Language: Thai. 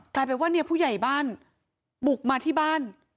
กลายเป็นว่าเนี่ยผู้ใหญ่บ้านบุกมาที่บ้าน